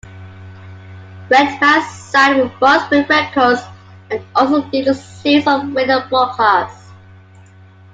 Redman signed with Brunswick Records and also did a series of radio broadcasts.